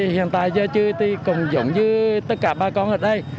hiện tại giờ chứ cũng giống như tất cả bà con ở đây